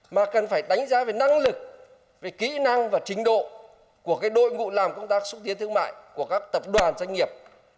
mà cần phải đánh giá về năng lực về kỹ năng và trình độ của đội ngũ làm công tác xúc tiến thương mại của các tập đoàn doanh nghiệp